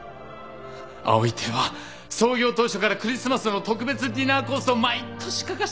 葵亭は創業当初からクリスマスの特別ディナーコースを毎年欠かしたことはないんだ。